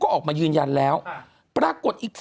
คุณหนุ่มกัญชัยได้เล่าใหญ่ใจความไปสักส่วนใหญ่แล้ว